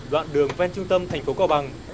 đoạn đường ven trung tâm thành phố cao bằng